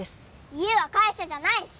家は会社じゃないし！